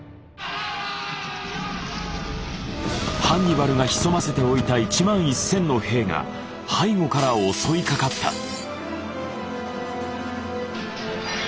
ハンニバルが潜ませておいた１万１，０００の兵が背後から襲いかかった！